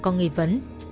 có nghi vấn